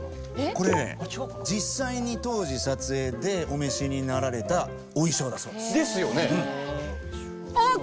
これね実際に当時撮影でお召しになられたお衣装だそうです。ですよね！